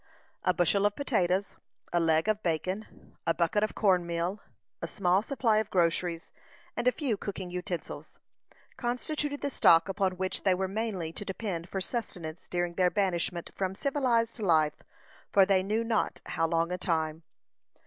A bushel of potatoes, a leg of bacon, a bucket of corn meal, a small supply of groceries, and a few cooking utensils, constituted the stock upon which they were mainly to depend for sustenance during their banishment from civilized life for they knew not how long a time.